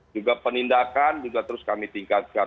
juga penindakan juga terus kami tingkatkan